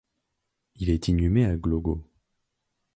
Il est inhumé à Głogów.